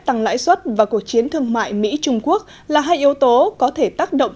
tăng lãi suất và cuộc chiến thương mại mỹ trung quốc là hai yếu tố có thể tác động